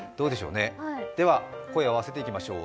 では声を合わせていきましょう。